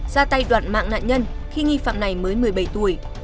hai đoạn mạng nạn nhân khi nghi phạm này mới một mươi bảy tuổi